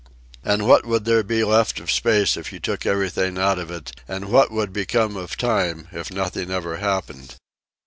And what would there be left of space if you took everything out of it, and what would become of time if nothing ever happened?